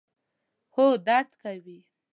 هو، درد کوي